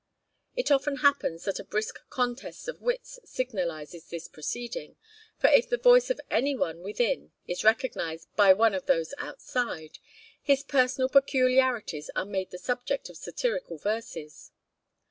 It often happens that a brisk contest of wits signalizes this proceeding, for if the voice of any one within is recognized by one of those outside, his personal peculiarities are made the subject of satirical verses.